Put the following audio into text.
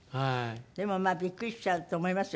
でもまあビックリしちゃうと思いますよ